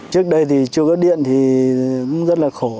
trước đây thì chưa có điện thì cũng rất là khổ